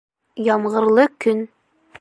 Ямғырлы көн